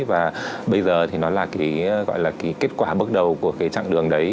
và bây giờ thì nó là cái kết quả bước đầu của cái chặng đường đấy